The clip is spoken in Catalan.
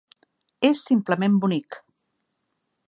És simplement bonic.